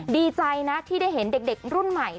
ดีใจนะที่ได้เห็นเด็กรุ่นใหม่